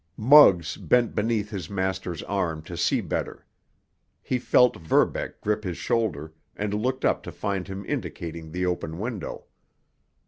Muggs bent beneath his master's arm to see better. He felt Verbeck grip his shoulder, and looked up to find him indicating the open window.